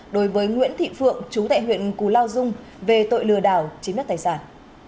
đối với nguyễn thị phượng chú tại huyện cù lao dung về tội lừa đảo chiếm đất tài sản